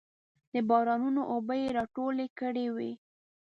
د بارانونو اوبه یې راټولې کړې وې.